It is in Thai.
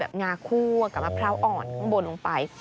งาคั่วกับมะพร้าวอ่อนข้างบนลงไป